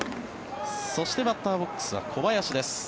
そしてバッターボックスは小林です。